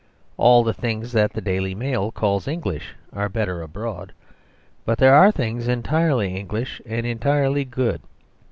All the things that the DAILY MAIL calls English are better abroad. But there are things entirely English and entirely good.